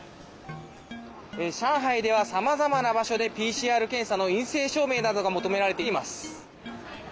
上海ではさまざまな場所でＰＣＲ検査の陰性証明などが求められています。